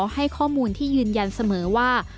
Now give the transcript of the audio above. ให้ข้อมูลที่ยืนยันเสมอว่า